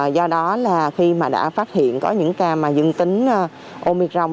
do đó là khi đã phát hiện có những ca dương tính omicron